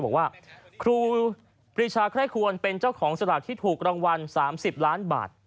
บอกว่าครูปรีชาไคร่ควรเป็นเจ้าของสลากที่ถูกรางวัล๓๐ล้านบาท